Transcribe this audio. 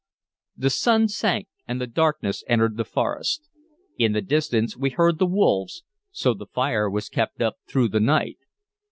The sun sank, and the darkness entered the forest. In the distance we heard the wolves, so the fire was kept up through the night.